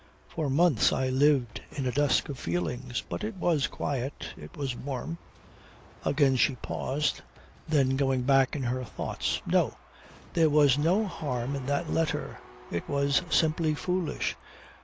For months I lived in a dusk of feelings. But it was quiet. It was warm ..." Again she paused, then going back in her thoughts. "No! There was no harm in that letter. It was simply foolish.